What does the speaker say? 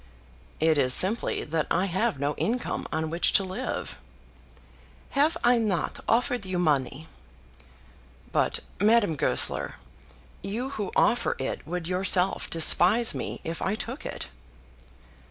"It is simply that I have no income on which to live." "Have I not offered you money?" "But, Madame Goesler, you who offer it would yourself despise me if I took it."